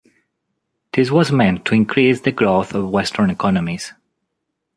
This was meant to increase the growth of Western economies.